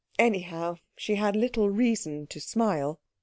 Anyhow she had little reason to smile.